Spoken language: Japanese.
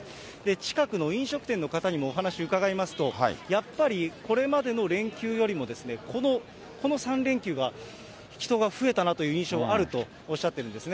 近くの飲食店の方にもお話伺いますと、やっぱり、これまでの連休よりも、この３連休は人が増えたなという印象あるとおっしゃっているんですね。